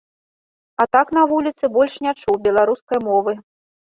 А так на вуліцы больш не чуў беларускай мовы.